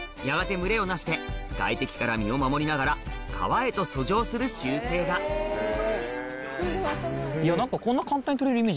群れを成して外敵から身を守りながら川へと遡上する習性が何かこんな。